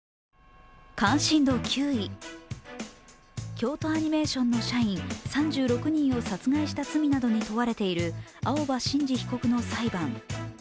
京都アニメーションの社員３６人を殺害した罪などに問われている青葉真司被告の裁判。